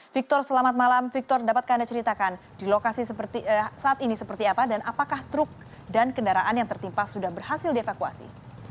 victor selamat malam victor dapatkah anda ceritakan di lokasi saat ini seperti apa dan apakah truk dan kendaraan yang tertimpa sudah berhasil dievakuasi